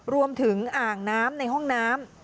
อ่างน้ำในห้องน้ำ